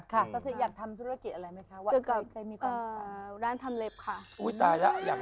ซาซิอยากทำธุรกิจอะไรไหมคะ